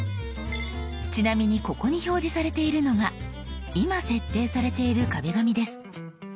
ちなみにここに表示されているのが今設定されている壁紙です。